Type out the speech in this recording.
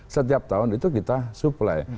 setiap tahun itu kita supply